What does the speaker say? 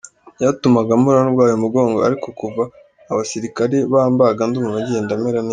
Byatumaga mpora ndwaye umugongo ariko kuva abasirikare bambaga ndumva ngenda mera neza”.